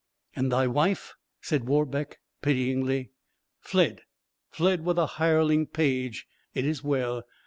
"And thy wife?" said Warbeck, pityingly. "Fled fled with a hireling page. It is well!